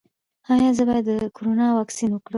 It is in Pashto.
ایا زه باید د کرونا واکسین وکړم؟